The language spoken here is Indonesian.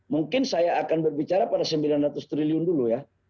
mungkin saya akan berbicara pada sembilan ratus triliun dulu ya